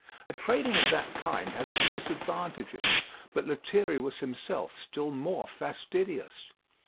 A training of that kind has its disadvantages; but Lethierry was himself still more fastidious.